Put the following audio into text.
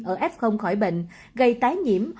ở f khỏi bệnh gây tái nhiễm